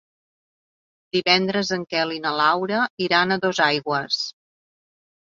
Divendres en Quel i na Laura iran a Dosaigües.